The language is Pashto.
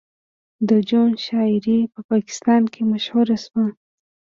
د جون شاعري په پاکستان کې مشهوره شوه